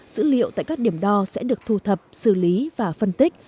dữ liệu tại các điểm đo sẽ được thu thập xử lý và phân tích